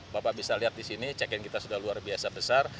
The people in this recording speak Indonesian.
bapak bisa lihat di sini check in kita sudah luar biasa besar